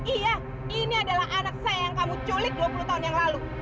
iya ini adalah anak saya yang kamu culik dua puluh tahun yang lalu